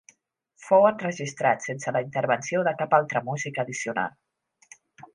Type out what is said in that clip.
Fou enregistrat sense la intervenció de cap altre músic addicional.